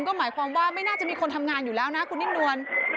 ก็หมายความว่าไม่น่าจะมีคนทำงานอยู่แล้วนะคุณนิ่มนวล